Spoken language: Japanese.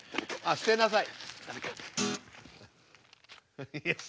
捨てなさい。